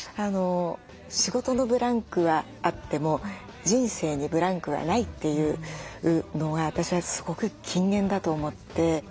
仕事のブランクはあっても人生にブランクはないというのは私はすごく金言だと思って。